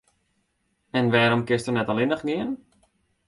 En wêrom kinsto net allinnich gean?